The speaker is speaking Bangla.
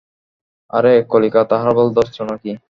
আরে, কলিকাতা হারবাল ধরছো নাকি?